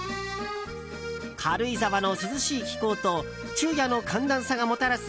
軽井沢の涼しい気候と昼夜の寒暖差がもたらす